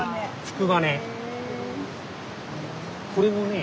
これもね